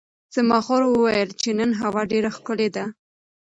زما خور وویل چې نن هوا ډېره ښکلې ده.